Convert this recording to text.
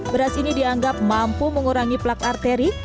beras ini dianggap mampu mengurangi plak arteri